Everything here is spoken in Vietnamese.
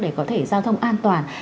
để có thể giao thông an toàn